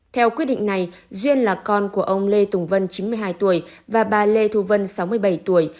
theo quyết định này duyên là con của ông lê tùng vân chín mươi hai tuổi và bà lê thu vân sáu mươi bảy tuổi